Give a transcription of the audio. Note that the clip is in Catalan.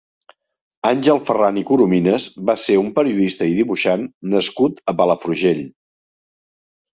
Àngel Ferran i Coromines va ser un periodista i dibuixant nascut a Palafrugell.